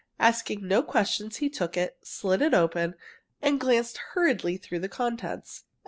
Asking no questions, he took it, slit it open, and glanced hurriedly through the contents.